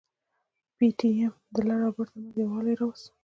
پي ټي ايم د لر او بر ترمنځ يووالي راوست.